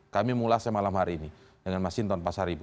kami mulasnya malam hari ini dengan mas sinton pasar ibu